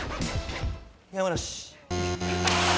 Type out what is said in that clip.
山梨。